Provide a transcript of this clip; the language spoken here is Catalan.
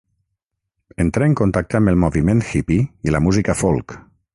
Entrà en contacte amb el moviment hippy i la música Folk.